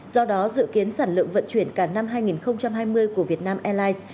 do đó dự kiến sản lượng vận chuyển cả năm hai nghìn hai mươi của việt nam airlines